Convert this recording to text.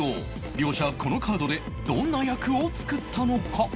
両者このカードでどんな役を作ったのか？